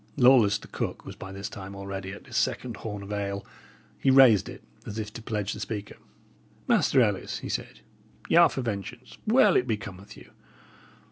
Lawless the cook was by this time already at his second horn of ale. He raised it, as if to pledge the speaker. "Master Ellis," he said, "y' are for vengeance well it becometh you!